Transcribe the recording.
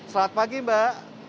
selamat pagi mbak